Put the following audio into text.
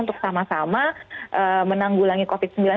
untuk sama sama menanggulangi covid sembilan belas